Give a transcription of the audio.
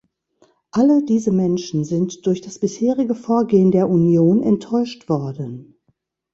Alle diese Menschen sind durch das bisherige Vorgehen der Union enttäuscht worden.